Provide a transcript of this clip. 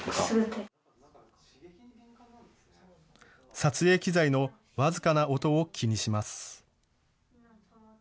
撮影機材の僅かな音を気にします。